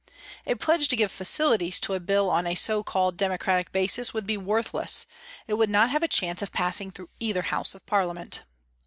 A pledge to give facilities to a Bill on 316 a so called democratic basis would be worthless, it would not have a chance of passing through either House of Parliament.